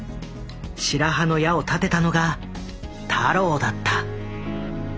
白羽の矢を立てたのが太郎だった。